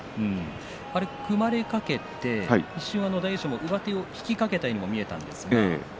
組まれかけて一瞬大栄翔も上手を引きかけたように見えました。